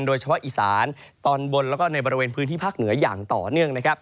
โดยเฉพาะอีสานตอนบนแล้วก็ในบริเวณพื้นที่ภาคเหนืออย่างต่อเนื่องนะครับ